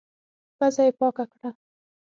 پزه يې پاکه کړه.